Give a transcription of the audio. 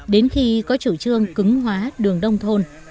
đến khi có chủ trương cứng hóa đường nông thôn